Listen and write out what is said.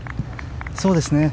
そうですね。